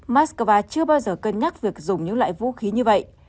moscow chưa bao giờ cân nhắc việc dùng những loại vũ khí như vậy